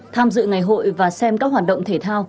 tham dự ngày hội và xem các hoạt động thể thao